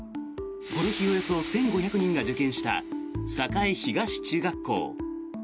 この日、およそ１５００人が受験した栄東中学校。